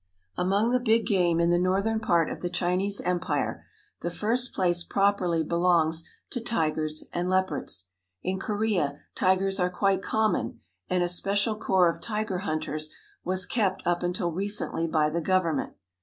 Among the big game in the northern part of the Chinese Empire the first place properly belongs to tigers and leopards. In Korea tigers are quite common, and a special corps of tiger hunters was kept up until recently by the Government.